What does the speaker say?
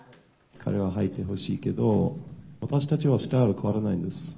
彼は入ってほしいけど、私たちのスタイルは変わらないです。